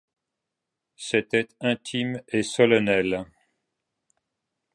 C’était intime et solennel.